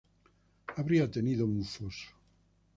Habría tenido un foso.